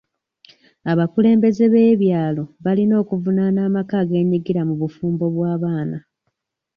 Abakulembeze b'ebyalo balina okuvunaana amaka ageenyigira mu bufumbo bw'abaana.